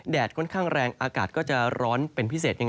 แดดค่อนข้างแรงและอากาศจะร้อนเป็นพิเศษ